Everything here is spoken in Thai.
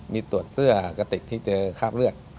มีตรวจเสื้อกระติกที่เจอคราบเลือด